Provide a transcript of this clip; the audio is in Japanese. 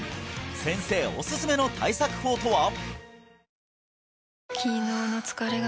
先生おすすめの対策法とは？